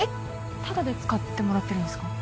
タダで使ってもらってるんですか？